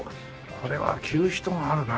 これは着る人があるな！